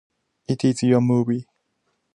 It is your movie.